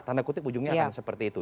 tanda kutip ujungnya akan seperti itu